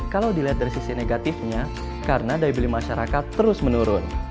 kalau dilihat dari sisi negatifnya karena daya beli masyarakat terus menurun